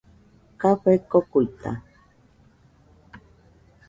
Café kokuita.